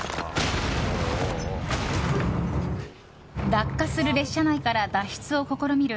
落下する列車内から脱出を試みる